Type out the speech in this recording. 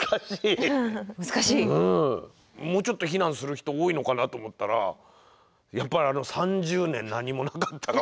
もうちょっと避難する人多いのかなと思ったらやっぱり３０年何もなかったが大きいのかな。